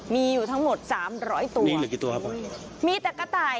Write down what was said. มีอยู่ทั้งหมดสามร้อยตัวมีเหลือกี่ตัวครับผมมีแต่กระต่าย